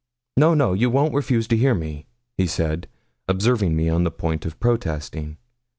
No, no, you won't refuse to hear me,' he said, observing me on the point of protesting.